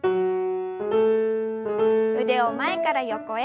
腕を前から横へ。